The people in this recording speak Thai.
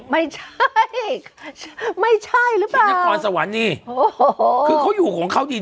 ไม่ใช่ไม่ใช่หรือเปล่าคือเขาอยู่ของเขาดี